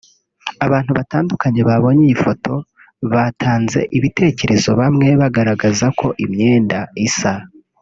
Abantu batandukanye babonye iyi foto batanze ibitekerezo bamwe bagaragaza ko imyenda isa